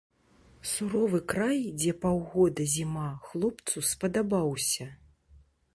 Суровы край, дзе паўгода зіма, хлопцу спадабаўся.